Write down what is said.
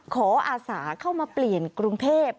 อาสาเข้ามาเปลี่ยนกรุงเทพ